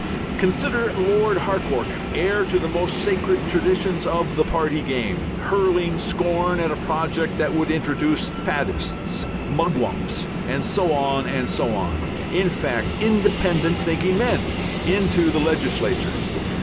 Consider Lord Harcourt heir to the most sacred traditions of the party game hurling scorn at a project that would introduce "faddists, mugwumps," and so on and so on in fact independent thinking men into the legislature.